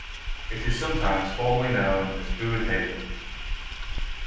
It is sometimes formerly known as Bude Haven.